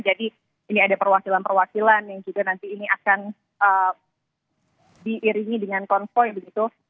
jadi ini ada perwakilan perwakilan yang juga nanti ini akan diiringi dengan konvoy begitu